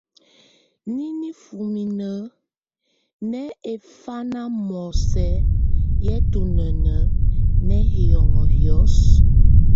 Nìnífúnínǝ̀ nɛ ɛfanamɔ̀ɔ̀sɛ̀ yɛ̀ tunɛn nɛ̀ hiɔ̀ŋɔ̀ hiɔ̀sɔ.